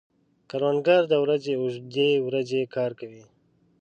کروندګر د ورځې اوږدې ورځې کار کوي